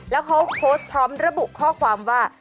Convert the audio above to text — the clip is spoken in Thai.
แล้วเขาโพสต์พร้อมระบุข้อความว่า